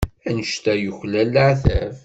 Anect-a yuklal leɛtab.